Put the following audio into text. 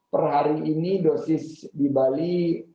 per hari ini dosis di bali